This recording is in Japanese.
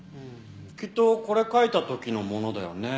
きっとこれ書いた時のものだよね。